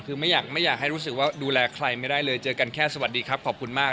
คือไม่อยากไม่อยากให้รู้สึกว่าดูแลใครไม่ได้เลยเจอกันแค่สวัสดีครับขอบคุณมาก